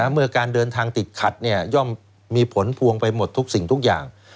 เมื่อการเดินทางติดขัดย่อมมีผลพวงไปหมดทุกสิ่งทุกอย่าง